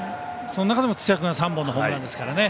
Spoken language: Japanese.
その中でも、土屋君が３本のホームランですからね。